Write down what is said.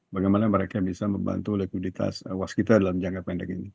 bagaimana mereka bisa membantu likuiditas waskita dalam jangka pendek ini